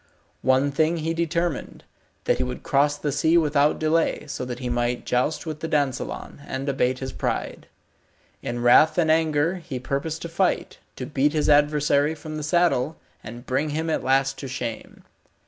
One thing he determined, that he would cross the sea without delay, so that he might joust with the dansellon, and abate his pride. In wrath and anger he purposed to fight, to beat his adversary from the saddle, and bring him at last to shame.